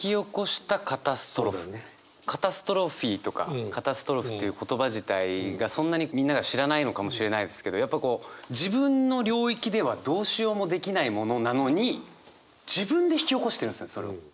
「カタストロフィー」とか「カタストロフ」という言葉自体がそんなにみんなが知らないのかもしれないですけどやっぱこう自分の領域ではどうしようもできないものなのに自分で引き起こしてるんですねそれを。